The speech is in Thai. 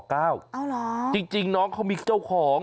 เอาเหรอจริงน้องเขามีเจ้าของ